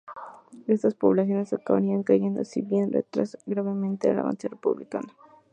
Estas poblaciones acabarían cayendo, si bien retrasaron gravemente el avance republicano.